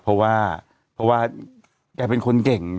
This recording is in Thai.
เพราะว่าแกเป็นคนเก่ง